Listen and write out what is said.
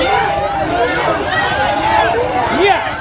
เฮียเฮียเฮีย